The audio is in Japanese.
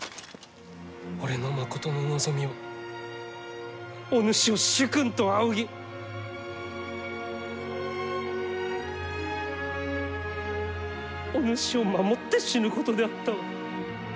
俺のまことの望みはお主を主君と仰ぎお主を守って死ぬことであったわ。